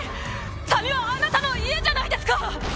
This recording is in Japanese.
谷はあなたの家じゃないですか！